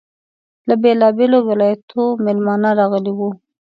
له بېلابېلو ولایتونو میلمانه راغلي وو.